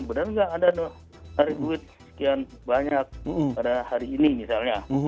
benar nggak ada tarik uang sekian banyak pada hari ini misalnya